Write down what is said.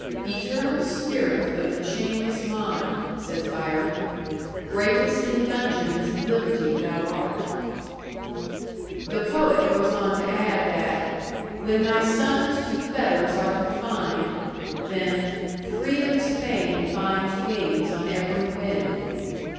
"Eternal spirit of the chainless mind," says Byron. "Greatest in dungeons Liberty thou art!" The poet goes on to add that "When thy sons to fetters are confined " then "Freedom's fame finds wings on every wind."